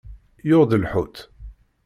Yuɣ-d lḥut.